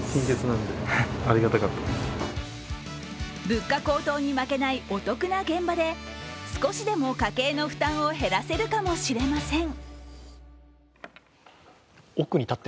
物価高騰に負けないお得な現場で少しでも家計の負担を減らせるかもしれません。